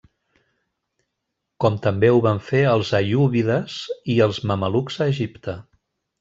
Com també ho van fer els aiúbides i els mamelucs a Egipte.